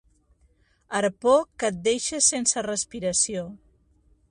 Arpó que et deixa sense respiració.